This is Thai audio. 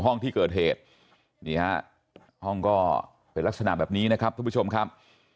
ห้องที่เกิดเหตุห้องก็เป็นลักษณะแบบนี้นะครับ